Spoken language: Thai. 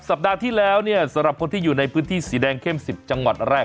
สัปดาห์ที่แล้วเนี่ยสำหรับคนที่อยู่ในพื้นที่สีแดงเข้ม๑๐จังหวัดแรก